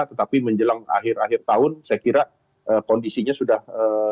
tetapi menjelang akhir akhir tahun saya kira kondisinya sudah